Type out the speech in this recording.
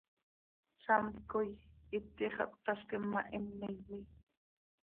Zamt coi itii xah cötazquim ma, him iiye.